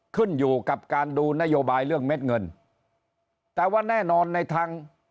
ขึ้นอยู่กับการดูนโยบายเรื่องเม็ดเงินแต่ว่าแน่นอนในทาง